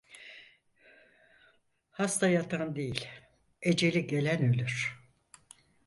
Hasta yatan değil, eceli gelen ölür.